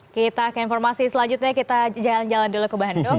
kita ke informasi selanjutnya kita jalan jalan dulu ke bandung